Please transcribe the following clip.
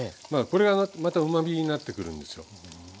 これがまたうまみになってくるんですよ。